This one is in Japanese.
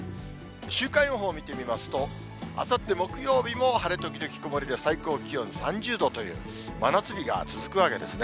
週間予報を見てみますと、あさって木曜日も晴れ時々曇りで最高気温３０度という、真夏日が続くわけですね。